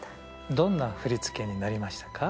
どんな振り付けになりましたか？